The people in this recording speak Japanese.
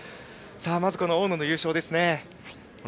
まず、大野の優勝ですね。